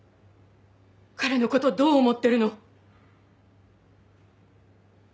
彼のことどう思ってるの？